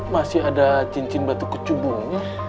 masih ada cincin batu kecubung